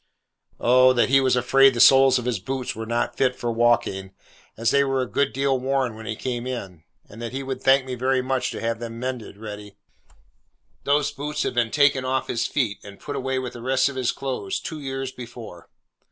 'Oh! That he was afraid the soles of his boots were not fit for walking, as they were a good deal worn when he came in; and that he would thank me very much to have them mended, ready.' Those boots had been taken off his feet, and put away with the rest of his clothes, two years before!